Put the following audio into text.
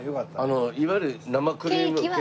あのいわゆる生クリーム系。